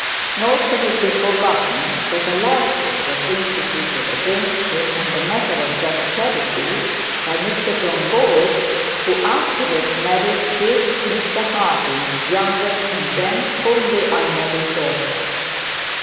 Nor can it be forgotten that a law suit was instituted against him on the matter of that charity by Mr John Bold, who afterwards married his, Mr Harding's, younger and then only unmarried daughter.